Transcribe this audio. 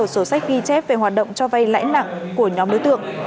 sổ sách ghi chép về hoạt động cho vay lãi nặng của nhóm đối tượng